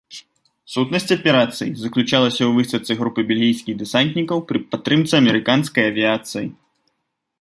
Сутнасць аперацыі заключалася ў высадцы групы бельгійскіх дэсантнікаў пры падтрымцы амерыканскай авіяцыі.